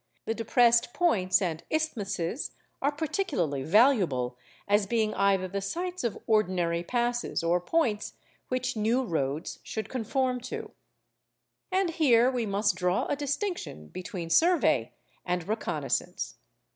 The depressed points and isthmuses are particularly valuable, as being either the sites of ordinary passes or points which new roads should conform to.' And here we must draw a distinction between survey and reconnaissance.